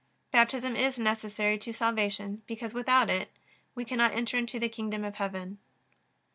Baptism is necessary to salvation, because without it we cannot enter into the kingdom of heaven.